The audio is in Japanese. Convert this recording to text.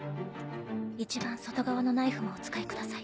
一番外側のナイフもお使いください。